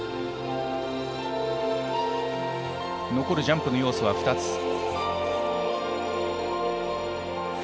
残るジャンプの要素は２つ。